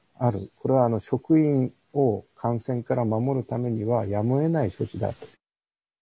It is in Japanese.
これは職員を感染から守るためにはやむをえない処置だと。